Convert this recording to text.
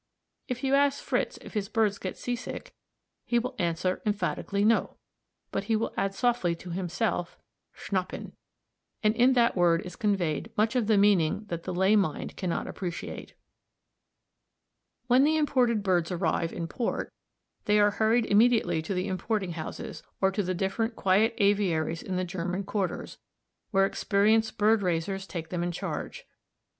If you ask Fritz if his birds get seasick, he will answer emphatically "No;" but he will add softly to himself "schnappen." And in that word is conveyed much of meaning that the lay mind cannot appreciate. When the imported birds arrive in port, they are hurried immediately to the importing houses, or to the different quiet aviaries in the German quarters, where experienced bird raisers take them in charge.